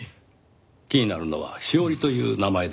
気になるのはしおりという名前です。